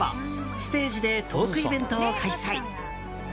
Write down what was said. ステージでトークイベントを開催。